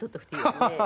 ハハハハ！